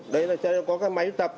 đấy là cho nên có cái máy tập